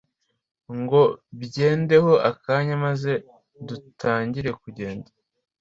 Ngo byendeho akanya maze dutangire kugenda